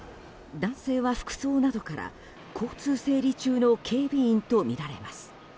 男性は服装などから交通整理中の警備員とみられます。